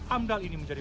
amdal ini menjadi